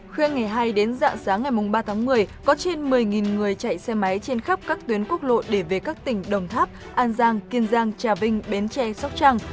khuya ngày hai đến dạng sáng ngày ba tháng một mươi có trên một mươi người chạy xe máy trên khắp các tuyến quốc lộ để về các tỉnh đồng tháp an giang kiên giang trà vinh bến tre sóc trăng